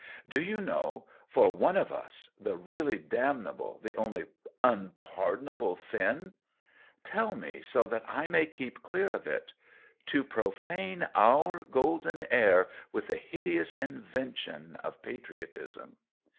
" Do you know — for one of us — the really damnable, the only unpardonable, sin ?"" Tell me, so that I may keep clear of it !"" To profane our golden air with the hideous invention of patriotism."